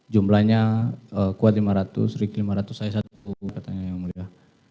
jumlahnya kuat lima ratus riki lima ratus saya satu